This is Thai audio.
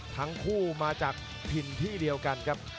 ทั้งคู่มาจากถิ่นที่เดียวกันครับ